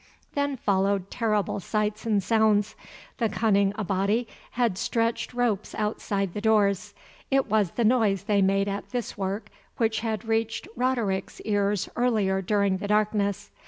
Then followed terrible sights and sounds. The cunning Abati had stretched ropes outside the doors; it was the noise they made at this work which had reached Roderick's ears earlier during the darkness.